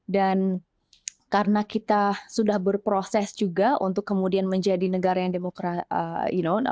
dan karena kita sudah berproses juga untuk kemudian menjadi negara yang demokrasi